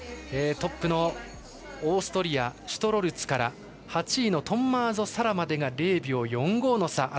トップのオーストリアシュトロルツから８位のトンマーゾ・サラまでが０秒４５の差。